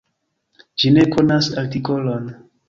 Ĝi ne konas artikolon.